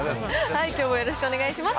きょうもよろしくお願いします。